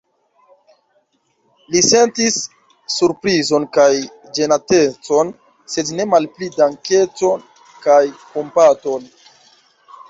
Li sentis surprizon kaj ĝenatecon, sed ne malpli dankecon kaj kompaton.